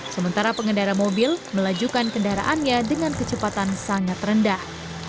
sementara pengendara mobil melajukan kendaraannya dengan kecepatan sangat rendah